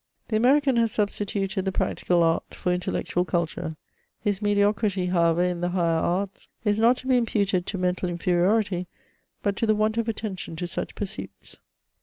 The American has substituted the practical art for intellectual culture; his mediocrity, however, in the higher arts, is not to be imputed to mental inferiority, but to the want of attention to such pursuits.